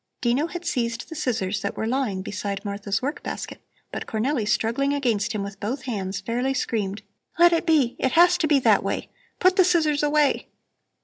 Dino had seized the scissors that were lying beside Martha's work basket, but Cornelli, struggling against him with both hands, fairly screamed: "Let it be. It has to be that way. Put the scissors away!"